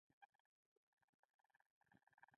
او خوندي ساتلو کې مهم رول لري